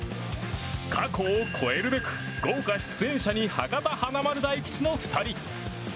過去を超えるべく、豪華出演者に博多華丸・大吉の２人。